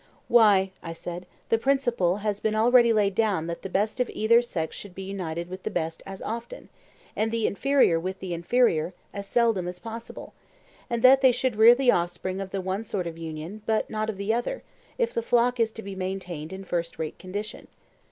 Why, I said, the principle has been already laid down that the best of either sex should be united with the best as often, and the inferior with the inferior, as seldom as possible; and that they should rear the offspring of the one sort of union, but not of the other, if the flock is to be maintained in first rate condition.